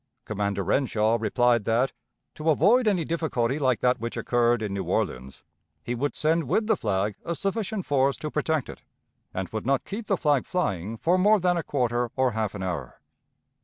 Commander Renshaw replied that, to avoid any difficulty like that which occurred in New Orleans, he would send with the flag a sufficient force to protect it, and would not keep the flag flying for more than a quarter or half an hour.